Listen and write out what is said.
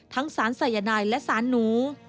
สารสายนายและสารหนู